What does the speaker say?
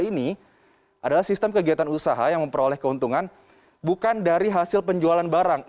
ini adalah sistem kegiatan usaha yang memperoleh keuntungan bukan dari hasil penjualan barang